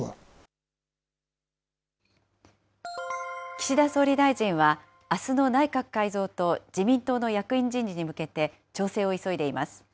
岸田総理大臣は、あすの内閣改造と自民党の役員人事に向けて、調整を急いでいます。